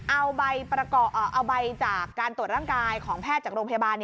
เอาใบจากการตรวจร่างกายของแพทย์จากโรงพยาบาล